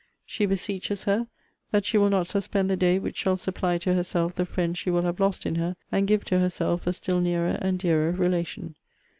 She beseeches her, 'that she will not suspend the day which shall supply to herself the friend she will have lost in her, and give to herself a still nearer and dearer relation.'